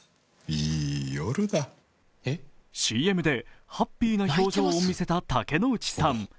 ＣＭでハッピーな表情を見せた竹野内さん。